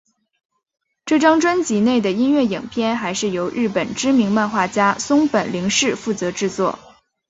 这张专辑内的音乐影片还是由日本知名漫画家松本零士负责制作。